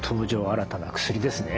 新たな薬」ですね。